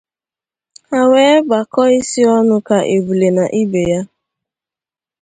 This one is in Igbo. ha wee bakọọ isi ọnụ ka ebule na ibe ya.